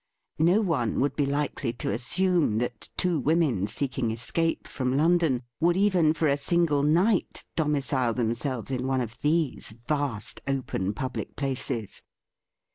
No one would be likely to assume that two women seeking escape from London would even for a single night domicile themselves in one of these vast open public places.